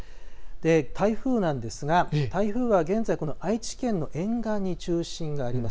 台風なんですが現在、愛知県の沿岸に中心があります。